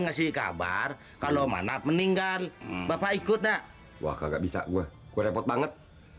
ngasih kabar kalau manap meninggal bapak ikutnya wah nggak bisa gua gua repot banget